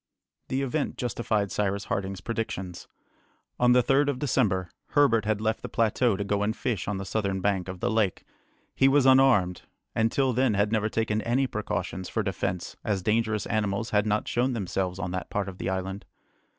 The event justified Cyrus Harding's predictions. On the 3rd of December, Herbert had left the plateau to go and fish on the southern bank of the lake. He was unarmed, and till then had never taken any precautions for defence as dangerous animals had not shown themselves on that part of the island.